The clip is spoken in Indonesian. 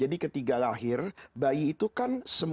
ada yang mengatakan bahwa alfitrah itu adalah islam